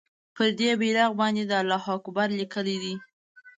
پر دې بېرغ باندې الله اکبر لیکلی دی.